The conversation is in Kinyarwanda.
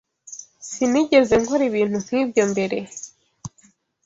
Sinigeze nkora ibintu nkibyo mbere.